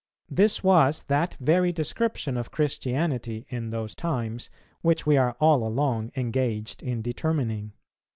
This was that very description of Christianity in those times which we are all along engaged in determining.